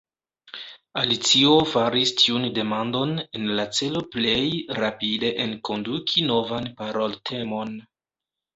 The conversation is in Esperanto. Alicio faris tiun demandon en la celo plej rapide enkonduki novan paroltemon.